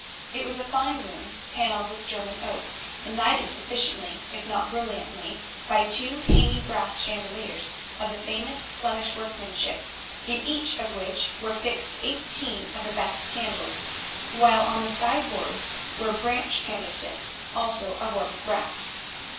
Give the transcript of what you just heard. It was a fine room panelled with German oak, and lighted sufficiently, if not brilliantly, by two hanging brass chandeliers of the famous Flemish workmanship, in each of which were fixed eighteen of the best candles, while on the sideboards were branch candlesticks, also of worked brass.